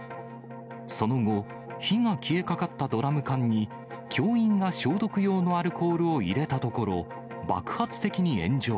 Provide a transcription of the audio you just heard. その後、火が消えかかったドラム缶に、教員が消毒用のアルコールを入れたところ、爆発的に炎上。